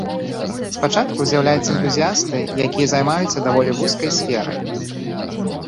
Спачатку з'яўляюцца энтузіясты, якія займаюцца даволі вузкай сферай.